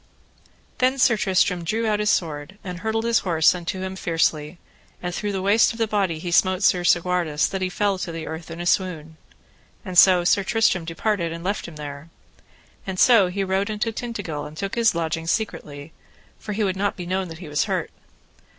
Then Sir Tristram drew out his sword, and hurtled his horse unto him fiercely, and through the waist of the body he smote Sir Segwarides that he fell to the earth in a swoon. And so Sir Tristram departed and left him there. And so he rode unto Tintagil and took his lodging secretly, for he would not be known that he was hurt.